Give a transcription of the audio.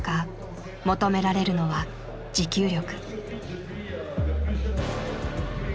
求められるのは持久力。